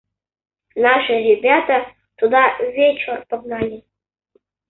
Наши ребята туда вечор погнали.